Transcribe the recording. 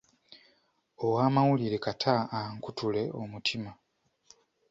Ow'amawulire kata ankutule omutima.